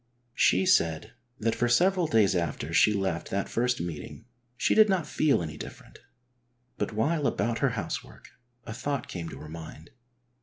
She said that for several days after she left that first meeting she did not feel any different, but while about her housework a thought came to her mind.